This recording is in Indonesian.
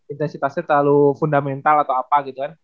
intensitasnya terlalu fundamental atau apa gitu kan